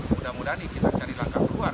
mudah mudahan ini kita cari langkah keluar